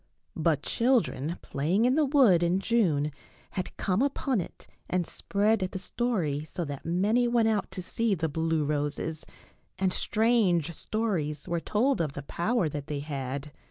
But children playing in the wood in June had come upon it and spread the story, so that many went out to see the blue roses, and strange stories were told of the power that they had.